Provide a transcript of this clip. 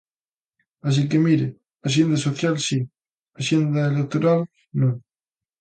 Así que mire, axenda social, si, axenda electoral, non.